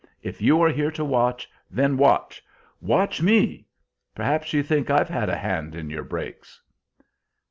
If you are here to watch, then watch! watch me! Perhaps you think I've had a hand in your breaks?"